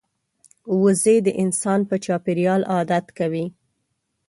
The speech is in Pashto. وزې د انسان په چاپېریال عادت کوي